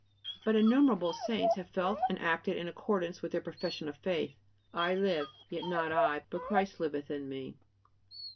But innumerable saints have felt and acted in accordance with their profession of faith: "I live; yet not I, but Christ liveth in me."